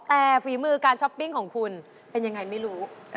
แต่ฝีมือการช้อปปิ้งของคุณเป็นยังไงไม่รู้